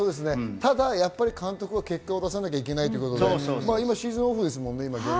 ただ監督は結果を出さなきゃいけないということでシーズンオフですからね。